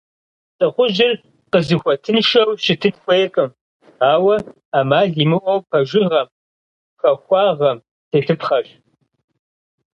Лӏыхъужьыр къызыхуэтыншэу щытын хуейкъым, ауэ ӏэмал имыӏэу пэжыгъэм, хахуагъэм тетыпхъэщ.